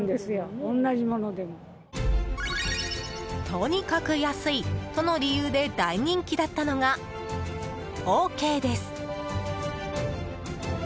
とにかく安い！との理由で大人気だったのがオーケーです。